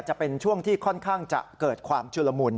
จะเป็นช่วงที่ค่อนข้างจะเกิดความชุลมุน